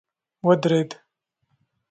ودريد.